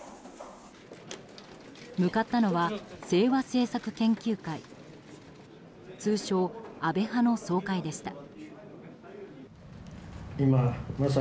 向かったのは清和政策研究会通称・安倍派の総会でした。